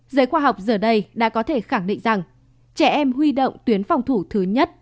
giới khoa học giờ đây đã có thể khẳng định rằng trẻ em huy động tuyến phòng thủ thứ nhất